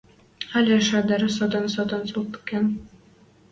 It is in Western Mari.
Ӓли шӹдӹр сотын-сотын цолткен